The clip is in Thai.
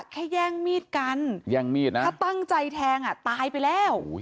แค่แย่งมีดกันถ้าตั้งใจแทงอะตายไปแล้ว